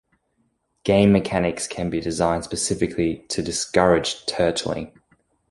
Game mechanics can be designed specifically to discourage turtling.